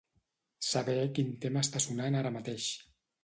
Saber quin tema està sonant ara mateix.